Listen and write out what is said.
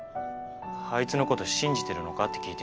あいつの事信じてるのかって聞いてるんだよ。